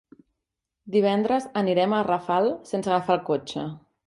Divendres anirem a Rafal sense agafar el cotxe.